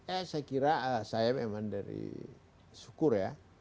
eh saya kira saya memang dari syukur ya